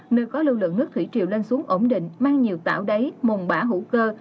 nơi có lưu lượng nước thủy triệu lên xuống ổn định mang nhiều tảo đáy mồm bã hữu cơ